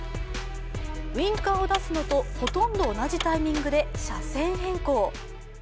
ウインカーを出すのとほとんど同じタイミングで車線変更。